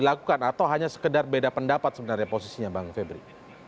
atau hanya sekedar beda pendapat sebenarnya posisinya bang febri